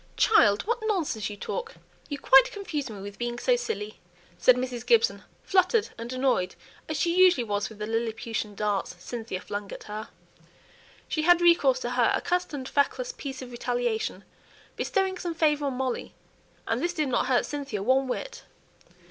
"Child! what nonsense you talk; you quite confuse me with being so silly," said Mrs. Gibson, fluttered and annoyed as she usually was with the Lilliputian darts Cynthia flung at her. She had recourse to her accustomed feckless piece of retaliation bestowing some favour on Molly; and this did not hurt Cynthia one whit.